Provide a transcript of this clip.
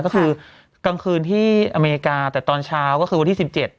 ก็คือกลางคืนที่อเมริกาแต่ตอนเช้าก็คือวันที่๑๗